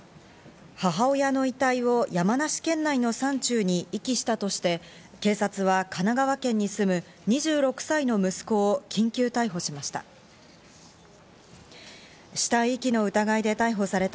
母親の遺体を山梨県内の山中に遺棄したとして、警察は神奈川県に住む２６歳の息子を緊急逮捕しました。